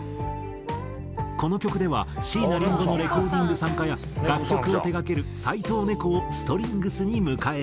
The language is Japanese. この曲では椎名林檎のレコーディング参加や楽曲を手がける斎藤ネコをストリングスに迎えている。